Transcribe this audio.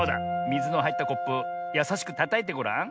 みずのはいったコップやさしくたたいてごらん。